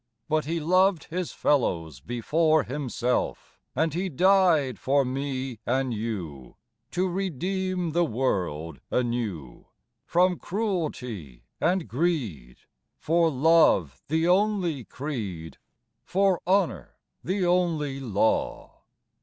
But he loved his fellows before himself; And he died for me and you, To redeem the world anew From cruelty and greed For love the only creed, For honor the only law.